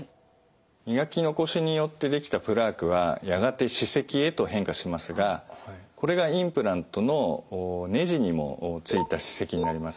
磨き残しによって出来たプラークはやがて歯石へと変化しますがこれがインプラントのねじにもついた歯石になります。